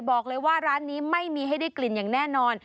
บอกเลยว่าร้านนี้ไม่มีให้ได้กลิ่นอย่างแน่นอน